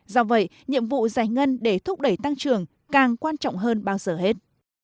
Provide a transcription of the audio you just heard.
do vậy nhiệm vụ giải ngân để thúc đẩy tăng trưởng càng quan trọng hơn bao giờ hết